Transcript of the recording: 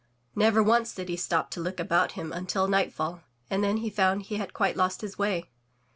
Never once did he stop to look about him imtil nightfall, and then he found he had quite lost his way.